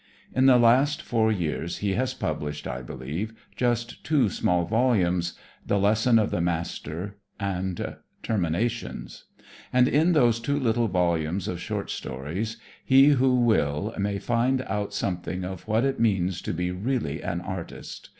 In the last four years he has published, I believe, just two small volumes, "The Lesson of the Master" and "Terminations," and in those two little volumes of short stories he who will may find out something of what it means to be really an artist.